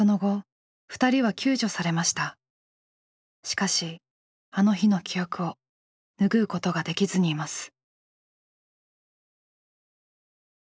しかしあの日の記憶を拭うことができずにいます。